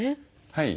はい。